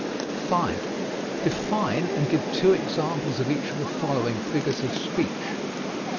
5. Define and give two examples of each of the following figures of speech.